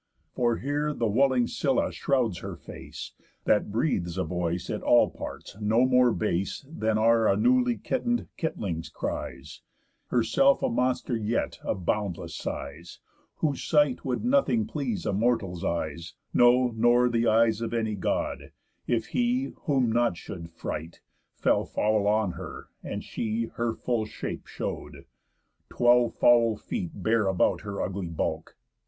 For here the whuling Scylla shrouds her face, That breathes a voice at all parts no more base Than are a newly kitten'd kitling's cries, Herself a monster yet of boundless size, Whose sight would nothing please a mortal's eyes, No nor the eyes of any God, if he (Whom nought should fright) fell foul on her, and she Her full shape show'd. Twelve foul feet bear about Her ugly bulk.